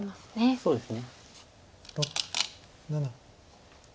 そうですね。